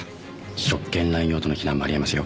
職権濫用との非難もあり得ますよ。